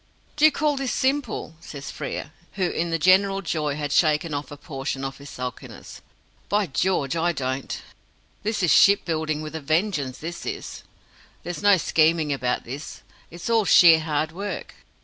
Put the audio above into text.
"Do you call this simple?" says Frere, who in the general joy had shaken off a portion of his sulkiness. "By George, I don't! This is ship building with a vengeance, this is. There's no scheming about this it's all sheer hard work."